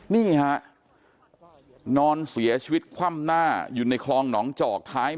นี่นอนเสียชีวิตคว่ำหน้า